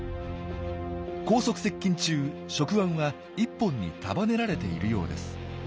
高速接近中触腕は１本に束ねられているようです。